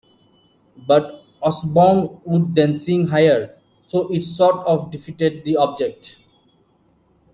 But Osbourne would then sing higher so it sort of defeated the object.